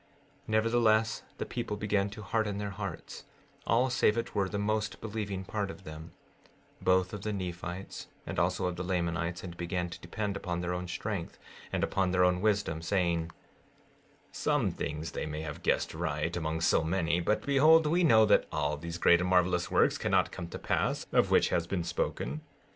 16:15 Nevertheless, the people began to harden their hearts, all save it were the most believing part of them, both of the Nephites and also of the Lamanites, and began to depend upon their own strength and upon their own wisdom, saying: 16:16 Some things they may have guessed right, among so many; but behold, we know that all these great and marvelous works cannot come to pass, of which has been spoken.